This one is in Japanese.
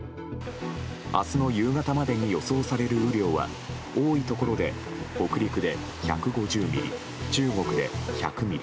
明日の夕方までに予想される雨量は多いところで北陸で１５０ミリ中国で１００ミリ